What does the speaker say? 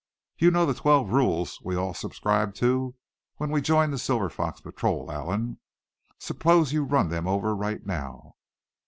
You know the twelve rules we all subscribed to when we joined the Silver Fox Patrol, Allan? Suppose you run them over right now?"